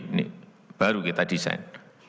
ini baru kita desain